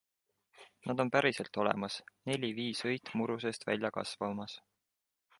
Nad on päriselt olemas, neli-viis õit muru seest välja kasvamas.